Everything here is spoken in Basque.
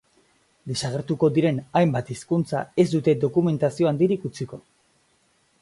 Desagertuko diren hainbat hizkuntza ez dute dokumentazio handirik utziko.